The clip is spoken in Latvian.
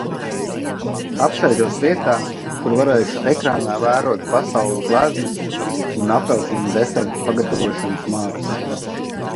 Apsēžos vietā, kur varēšu ekrānā vērot pasaules gleznas un apelsīnu deserta pagatavošanas mākslu.